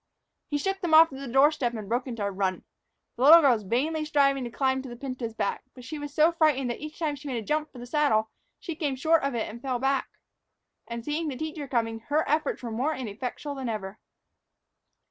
He shook them off at the door step and broke into a run. The little girl was vainly striving to climb to the pinto's back; but she was so frightened that each time she made a jump for the saddle she came short of it and fell back. And, seeing the teacher coming, her efforts were more ineffectual than ever.